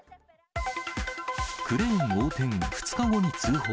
クレーン横転、２日後に通報。